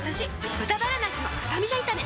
「豚バラなすのスタミナ炒め」